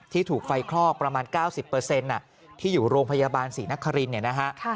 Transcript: ที่ถูกไฟคลอกประมาณ๙๐ที่อยู่โรงพยาบาลศรีนครินทร์